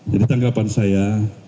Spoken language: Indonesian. jadi tanggapan saya